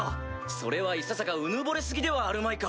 それはいささかうぬぼれ過ぎではあるまいか？